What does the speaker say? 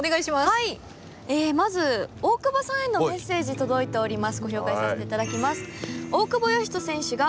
まず大久保さんへのメッセージ届いております。